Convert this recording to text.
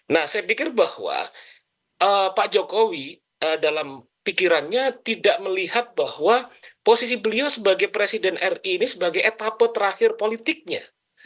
nah saya pikir bahwa pak jokowi dalam pikirannya tidak melihat bahwa posisi beliau sebagai presiden ri ini sebagai etapa terakhir politiknya